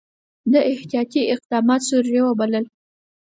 ده احتیاطي اقدامات ضروري وبلل.